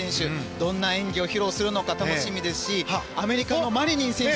どんな演技を披露するのか楽しみですしアメリカのマリニン選手。